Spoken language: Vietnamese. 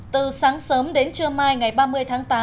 từ sáng sớm đến trưa mai ngày ba mươi tháng tám